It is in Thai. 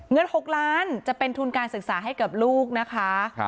เงิน๖ล้านจะเป็นทุนการศึกษาให้กับลูกนะคะ